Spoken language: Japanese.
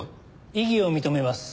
異議を認めます。